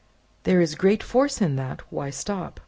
There is great force in that. Why stop?"